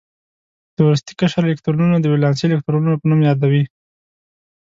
د وروستي قشر الکترونونه د ولانسي الکترونونو په نوم یادوي.